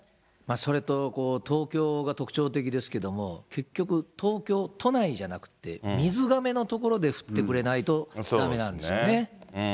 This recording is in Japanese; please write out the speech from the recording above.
それと東京が特徴的ですけども、結局、東京都内じゃなくって、水がめの所で降ってくれないとだめなんですよね。